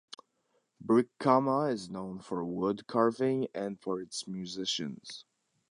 Brikama is known for wood carving and for its musicians.